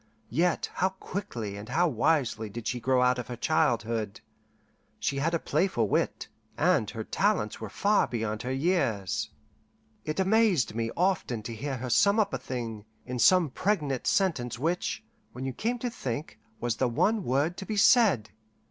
Yet how quickly and how wisely did she grow out of her childhood! She had a playful wit, and her talents were far beyond her years. It amazed me often to hear her sum up a thing in some pregnant sentence which, when you came to think, was the one word to be said.